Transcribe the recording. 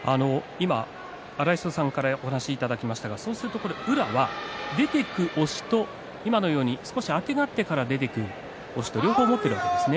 荒磯さんからお話いただきましたが宇良が出ていく押しと今のようにあてがってから出ていく押しと両方を持っているわけですね。